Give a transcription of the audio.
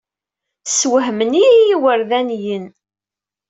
Ssewhamen-iyi yiwerdaniyen.